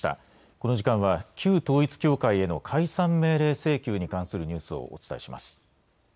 この時間は旧統一教会への解散命令請求に関するニュースをお伝えします。